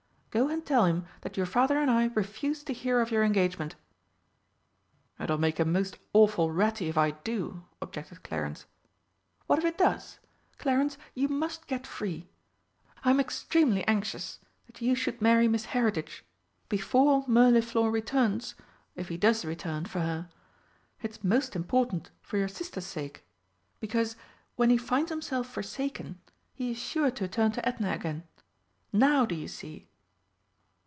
Go and tell him that your Father and I refuse to hear of your engagement." "It'll make him most awful ratty if I do," objected Clarence. "What if it does? Clarence, you must get free. I'm extremely anxious that you should marry Miss Heritage before Mirliflor returns (if he does return) for her. It's most important, for your Sister's sake. Because, when he finds himself forsaken, he is sure to turn to Edna again. Now do you see?"